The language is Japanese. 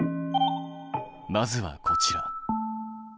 まずはこちら。